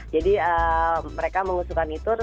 jadi mereka mengusulkan itu